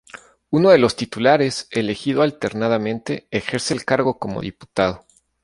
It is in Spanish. Uno de los titulares, elegido alternadamente, ejerce el cargo como diputado.